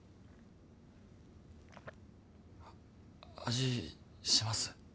味します？